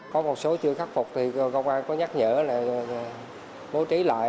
có một số chưa khắc phục thì công an có nhắc nhở là bố trí lại